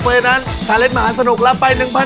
เพราะฉะนั้นอาตรายเล่นหมาสนุกรับไป๑๕๐๐บาท